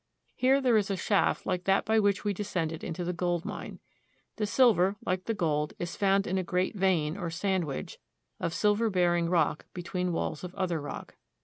Here there is a shaft like that by which we descended into the gold mine. The silver, like the gold, is found in a great vein, or sandwich, of silver bearing rock between walls of other rock.